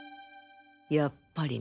やっぱりね。